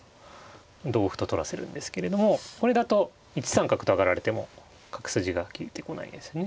同歩と取らせるんですけれどもこれだと１三角と上がられても角筋が利いてこないですよね。